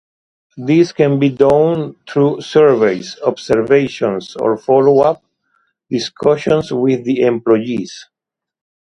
This can be done through surveys, observations, or follow-up discussions with the employees.